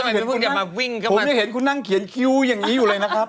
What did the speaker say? ผมยังเห็นคุณนั่งเขียนคิ้วอย่างนี้อยู่เลยนะครับ